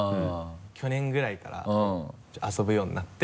去年ぐらいからちょっと遊ぶようになって。